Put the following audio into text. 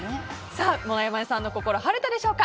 もやもやさんの心は晴れたでしょうか。